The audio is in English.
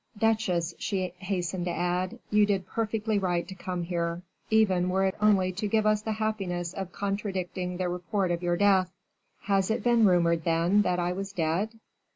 "Duchesse," she hastened to add, "you did perfectly right to come here, even were it only to give us the happiness of contradicting the report of your death." "Has it been rumored, then, that I was dead?"